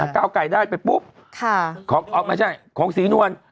ก้าวไก่ได้ไปปุ๊บของสีนวล